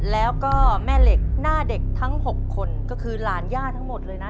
แล้วก็แม่เหล็กหน้าเด็กทั้ง๖คนก็คือหลานย่าทั้งหมดเลยนะ